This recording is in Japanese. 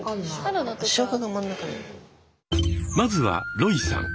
まずはロイさん。